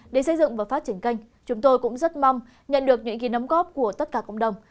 để xây dựng và phát triển kênh chúng tôi cũng rất mong nhận được những ấm góp của tất cả cộng đồng